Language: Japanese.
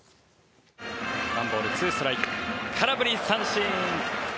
１ボール２ストライク空振り三振。